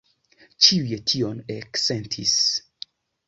Ĉiuj tion eksentis.